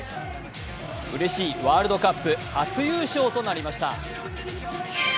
うれしいワールドカップ初優勝となりました。